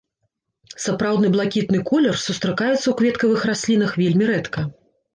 Сапраўдны блакітны колер сустракаецца ў кветкавых раслінах вельмі рэдка.